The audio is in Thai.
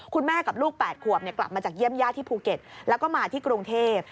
แม่กับลูก๘ขวบกลับมาจากเยี่ยมญาติที่ภูเก็ตแล้วก็มาที่กรุงเทพ